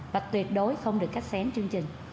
và tuyệt đối không được cách xén chương trình